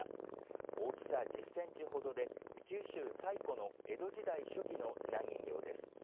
大きさ１０センチほどで九州最古の江戸時代初期のひな人形です。